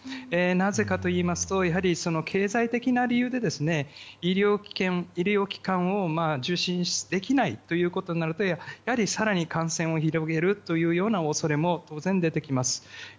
なぜかといいますと経済的な理由で医療機関を受診できないとなるとやはり更に感染を広げる恐れも当然出てきます。